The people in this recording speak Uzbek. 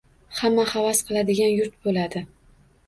Hamma havas qiladigan yurt bo‘ladi.